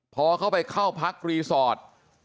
พอเข้าไปเข้าพักรีสอร์ท